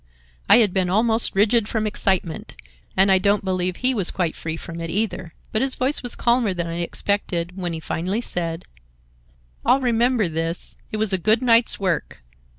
I had been almost rigid from excitement, and I don't believe he was quite free from it either. But his voice was calmer than I expected when he finally said: "I'll remember this. It was a good night's work."